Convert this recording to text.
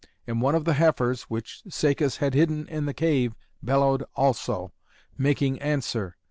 And one of the heifers which Cacus had hidden in the cave bellowed also, making answer.